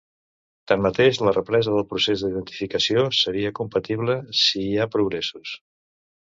Tanmateix la represa del procés d'identificació seria compatible si hi ha progressos.